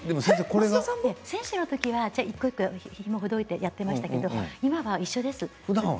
選手のときは一個一個ひもをほどいてやっていましたけれど、今は一緒です。